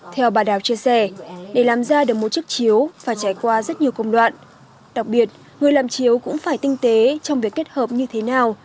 theo bà đào chia sẻ để làm ra được một chiếc chiếu phải trải qua rất nhiều công đoạn đặc biệt người làm chiếu cũng phải tinh tế trong việc kết hợp như thế nào